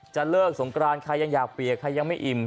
จะเลิกสงกรานใครยังอยากเปียกใครยังไม่อิ่ม